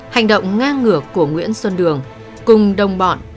hành động ngang ngược của nguyễn xuân đường cùng đồng bọn